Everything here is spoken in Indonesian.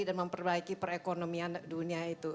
dan memperbaiki perekonomian dunia itu